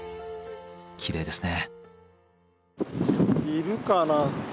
きれいですね。